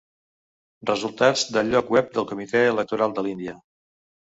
Resultats del lloc web del Comitè electoral de l'Índia.